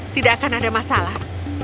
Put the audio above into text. tidak akan ada masalah